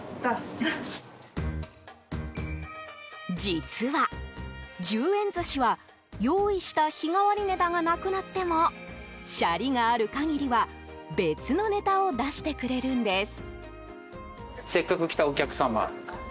実は、１０円寿司は用意した日替わりネタがなくなってもシャリがある限りは別のネタを出してくれるんです。